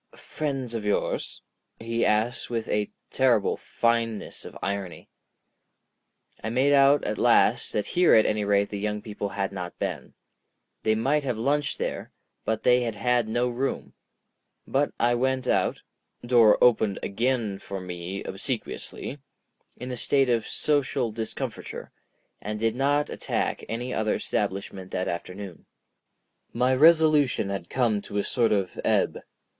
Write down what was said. "Friends of yours?" he asked with a terrible fineness of irony. I made out at last that here at any rate the young people had not been. They might have lunched there, but they had had no room. But I went out—door opened again for me obsequiously—in a state of social discomfiture, and did not attack any other establishment that afternoon. My resolution had come to a sort of ebb.